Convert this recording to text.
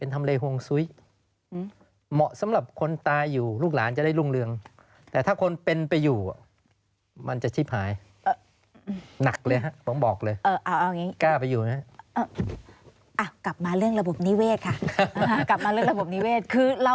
แต่ถ้าคนเป็นไปอยู่อ่ะมันก็จะชิบหาย